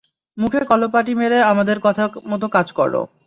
মুখে কলপ আঁটি মেরে আমাদের কথা মতো কাজ কর।